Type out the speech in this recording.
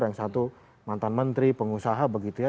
yang satu mantan menteri pengusaha begitu ya